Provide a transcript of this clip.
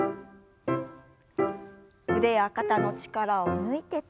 腕や肩の力を抜いて。